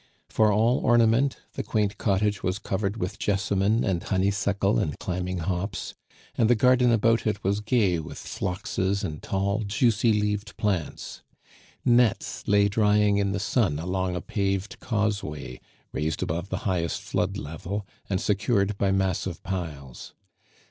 For all ornament, the quaint cottage was covered with jessamine and honeysuckle and climbing hops, and the garden about it was gay with phloxes and tall, juicy leaved plants. Nets lay drying in the sun along a paved causeway raised above the highest flood level, and secured by massive piles.